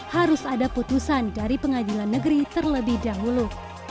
harus ada putusan dari pengadilan negeri terlebih dahulu